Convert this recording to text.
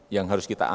yang harus kita antar